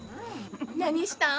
何したん？